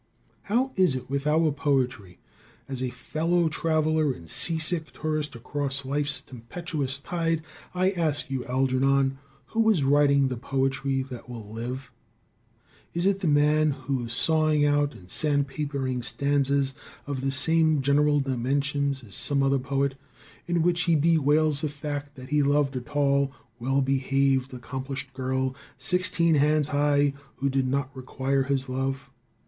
How is it with our poetry? As a fellow traveler and sea sick tourist across life's tempestuous tide, I ask you, Algernon, who is writing the poetry that will live? Is it the man who is sawing out and sandpapering stanzas of the same general dimensions as some other poet, in which he bewails the fact that he loved a tall, well behaved, accomplished girl, sixteen hands high, who did not require his love?